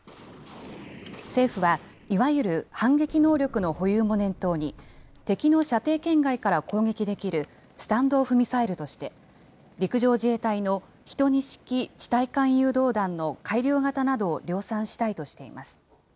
政府はいわゆる反撃能力の保有も念頭に敵の射程圏外から攻撃できるスタンド・オフ・ミサイルとして、陸上自衛隊の１２式地対艦誘導弾の改良型などを量産したいとしています。